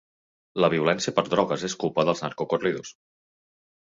La violència per drogues és culpa dels narcocorridos.